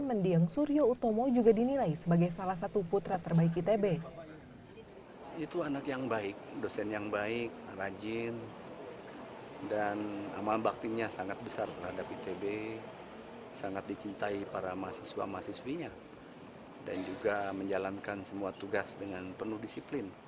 mendiang suryo utomo juga dinilai sebagai salah satu putri